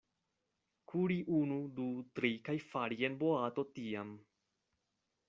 Kuri unu, du, tri, kaj fari en boato tiam.